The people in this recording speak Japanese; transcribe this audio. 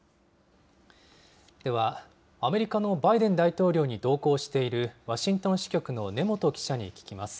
では、アメリカのバイデン大統領に同行している、ワシントン支局の根本記者に聞きます。